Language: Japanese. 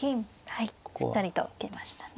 はいしっかりと受けましたね。